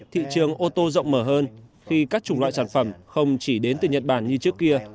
thị trường ô tô rộng mở hơn khi các chủng loại sản phẩm không chỉ đến từ nhật bản như trước kia